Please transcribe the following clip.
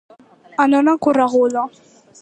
En una correguda.